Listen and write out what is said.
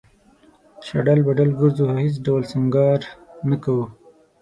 شډل بډل گرځو هېڅ ډول او سينگار نۀ کوو